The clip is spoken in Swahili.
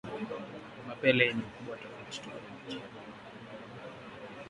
Mapele yenye ukubwa tofauti tofauti